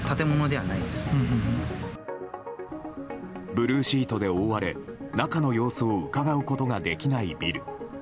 ブルーシートで覆われ中の様子をうかがうことができないビル。